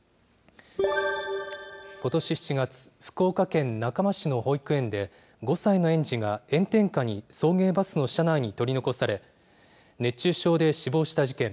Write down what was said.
ことし７月、福岡県中間市の保育園で５歳の園児が炎天下に送迎バスの車内に取り残され、熱中症で死亡した事件。